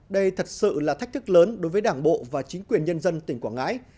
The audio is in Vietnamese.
đây thật sự là thách thức lớn đối với đảng bộ và chính quyền nhân dân tỉnh quảng ngãi